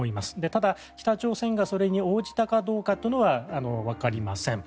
ただ、北朝鮮がそれに応じたかどうかというのはわかりません。